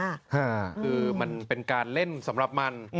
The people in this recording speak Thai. คือมันเป็นการเล่นสำหรับมัน